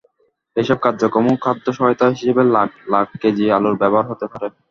এসব কার্যক্রমেও খাদ্যসহায়তা হিসেবে লাখ লাখ কেজি আলুর ব্যবহার হতে পারে।